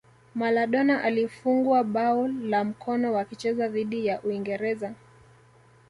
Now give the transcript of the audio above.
Maladona alifungwa bao la mkono wakicheza dhidi ya uingereza